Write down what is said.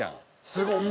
すごい。